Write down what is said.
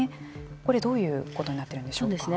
これはどういうことになっているんでしょうか。